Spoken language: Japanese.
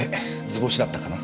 図星だったかな？